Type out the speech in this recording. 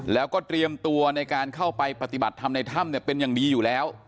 แล้วก็เตรียมตัวในการเข้าไปปฏิบัติธรรมในถ้ำเป็นอย่างดีอยู่แล้ว